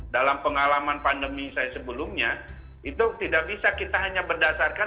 dalam pengalaman pandemi saya sebelumnya itu tidak bisa kita hanya berdasarkan